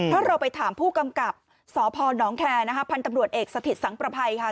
ถ้าเราไปถามผู้กำกับสพนแคร์นะคะพันธุ์ตำรวจเอกสถิตสังประภัยค่ะ